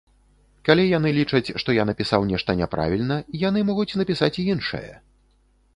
Калі яны лічаць, што я напісаў нешта няправільна, яны могуць напісаць іншае.